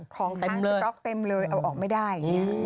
ของทางสต๊อกเต็มเลยเอาออกไม่ได้